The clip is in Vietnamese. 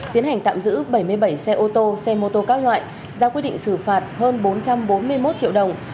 tiến hành tạm giữ bảy mươi bảy xe ô tô xe mô tô các loại ra quyết định xử phạt hơn bốn trăm bốn mươi một triệu đồng